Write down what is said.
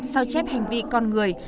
sao chép hành vi con người